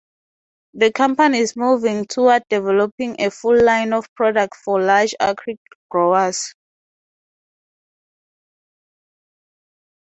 The company is moving toward developing a full-line of product for large-acre growers.